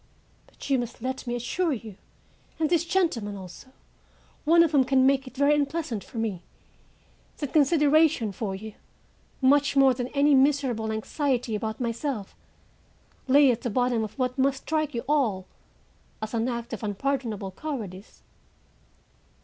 But you must let me assure you and these gentlemen also, one of whom can make it very unpleasant for me, that consideration for you, much more than any miserable anxiety about myself, lay at the bottom of what must strike you all as an act of unpardonable cowardice.